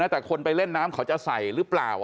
แต่คนไปเล่นน้ำเขาจะใส่หรือเปล่า